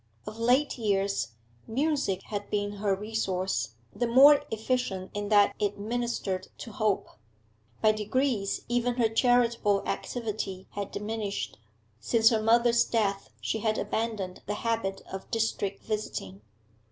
Of late years, music had been her resource, the more efficient in that it ministered to hope. By degrees even her charitable activity had diminished; since her mother's death she had abandoned the habit of 'district visiting.'